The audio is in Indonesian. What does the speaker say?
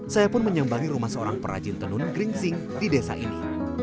saya pun menyambangi rumah seorang perajin tenun geringsing di desa ini